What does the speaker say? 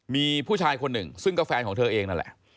มีผู้ชายคนหนึ่งซึ่งก็แฟนของเธอเองนั่นแหละ